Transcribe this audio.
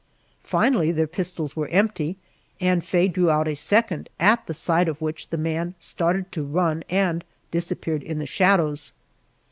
Finally their pistols were empty, and Faye drew out a second, at the sight of which the man started to run and disappeared in the shadows.